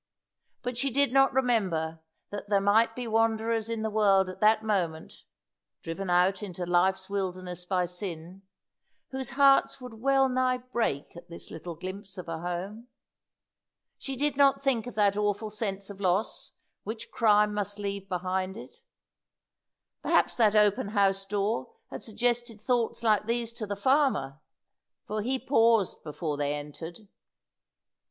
But she did not remember that there might be wanderers in the world at that moment driven out into life's wilderness by sin whose hearts would well nigh break at this little glimpse of a home. She did not think of that awful sense of loss which crime must leave behind it. Perhaps that open house door had suggested thoughts like these to the farmer, for he paused before they entered.